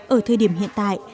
ở thời điểm hiện tại